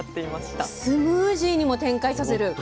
スムージーにも展開させる。